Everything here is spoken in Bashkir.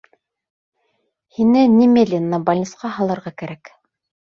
Һине немедленно бальнисҡа һалырға кәрәк!